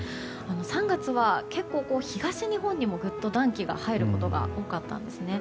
３月は結構、東日本にもぐっと暖気が入ることが多かったんですね。